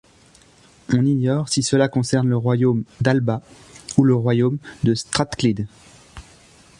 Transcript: On ignore si cela concerne le royaume d'Alba ou le royaume de Strathclyde.